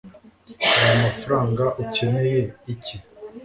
aya mafranga ukeneye iki